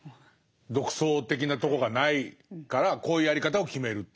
独創的なとこがないからこういうやり方を決めるという。